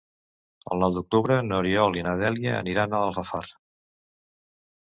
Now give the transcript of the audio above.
El nou d'octubre n'Oriol i na Dèlia aniran a Alfafar.